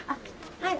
はい。